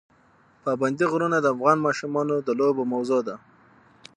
پابندی غرونه د افغان ماشومانو د لوبو موضوع ده.